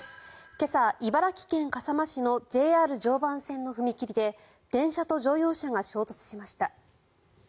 今朝、茨城県笠間市のＪＲ常磐線の踏切で電車と乗用車が衝突しました。